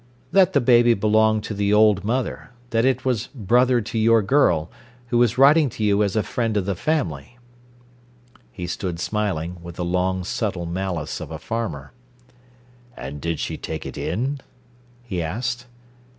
"That the baby belonged to the old mother that it was brother to your girl, who was writing to you as a friend of the family." He stood smiling, with the long, subtle malice of a farmer. "And did she take it in?" he asked.